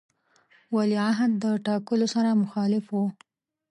د ولیعهد د ټاکلو سره مخالف وو.